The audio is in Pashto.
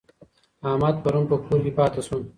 احمد پرون په کور کي پاته سو.